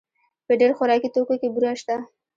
په ډېر خوراکي توکو کې بوره شته.